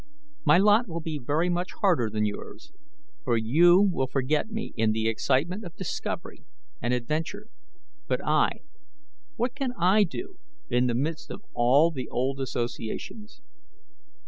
My lot will be very much harder than yours, for you will forget me in the excitement of discovery and adventure; but I what can I do in the midst of all the old associations?"